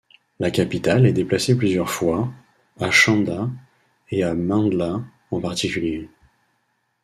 La capitale est déplacée plusieurs fois, à Chanda et à Mandlâ en particulier.